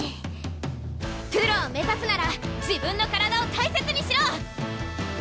プロを目指すなら自分の体を大切にしろ！